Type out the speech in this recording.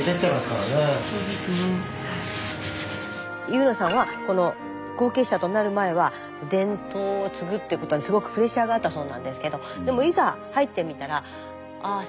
有布さんは後継者となる前は伝統を継ぐっていうことにすごくプレッシャーがあったそうなんですけどでもいざ入ってみたらあ